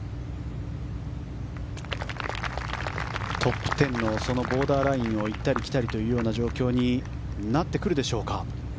トップ１０のボーダーラインを行ったり来たりになるでしょうか。